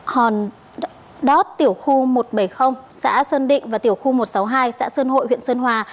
hòn đó tiểu khu một trăm bảy mươi xã sơn định và tiểu khu một trăm sáu mươi hai xã sơn hội huyện sơn hòa